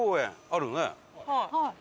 はい。